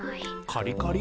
カリカリ？